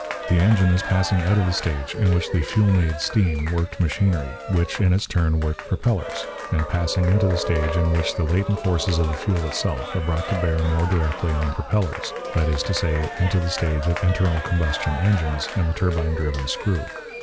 The engine is passing out of the stage in which the fuel made steam worked machinery, which, in its turn, worked propellers; and passing into the stage in which the latent forces of the fuel itself are brought to bear more directly on propellers, that is to say, into the stage of internal combustion engines and the turbine driven screw.